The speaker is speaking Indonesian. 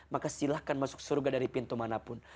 maka silahkan masuk surga dari pintu manapun